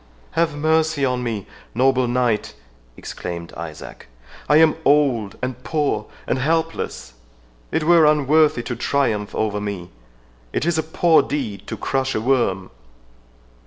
"Have mercy on me, noble knight!" exclaimed Isaac; "I am old, and poor, and helpless. It were unworthy to triumph over me—It is a poor deed to crush a worm."